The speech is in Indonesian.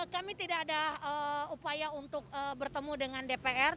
kami tidak ada upaya untuk bertemu dengan dpr